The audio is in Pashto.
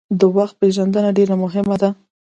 د وخت پېژندنه ډیره مهمه ده.